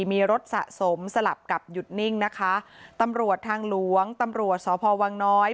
มีรถสะสมสลับกับหยุดนิ่งนะคะตำรวจทางหลวงตำรวจสพวังน้อย